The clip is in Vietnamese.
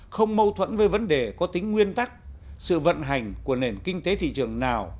không mâu thuẫn với vấn đề có tính nguyên tắc sự vận hành của nền kinh tế thị trường nào